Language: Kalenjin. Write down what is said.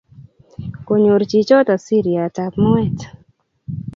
Konyor chi chotok siriat ap moet.